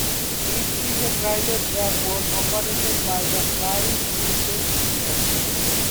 It is a private airport operated by the Flying U Guest Ranch.